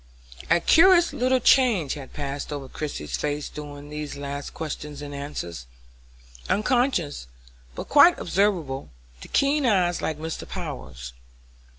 A curious little change had passed over Christie's face during these last questions and answers, unconscious, but quite observable to keen eyes like Mr. Power's.